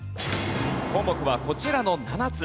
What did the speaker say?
項目はこちらの７つ。